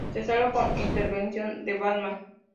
Se salva con la intervención de Batman.